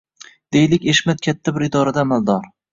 Deylik, Eshmat katta bir idorada amaldor